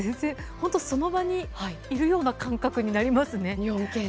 本当、その場にいるような感覚になりますね。